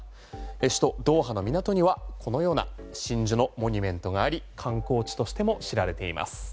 首都ドーハの港にはこのような真珠のモニュメントがあり観光地としても知られています。